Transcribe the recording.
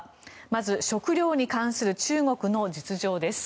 まず、食料に関する中国の実情です。